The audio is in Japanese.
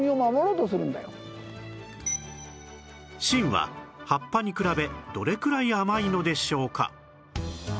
芯は葉っぱに比べどれくらい甘いのでしょうか？